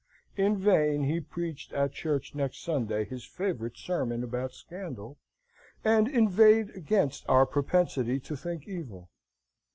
In vain he preached at church next Sunday his favourite sermon about scandal, and inveighed against our propensity to think evil.